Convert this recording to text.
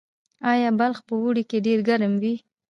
آیا بلخ په اوړي کې ډیر ګرم وي؟